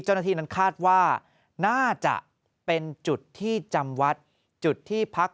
เจ้าหน้าที่นั้นคาดว่าน่าจะเป็นจุดที่จำวัดจุดที่พัก